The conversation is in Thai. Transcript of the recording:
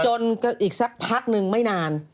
อีกสักพักนึงไม่นาน